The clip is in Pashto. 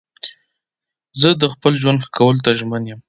زه د خپل ژوند ښه کولو ته ژمن یم.